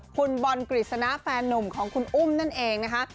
คุณบอลกฤษณะแฟนนุ่มของคุณอุ้มนั่นเองนะคะ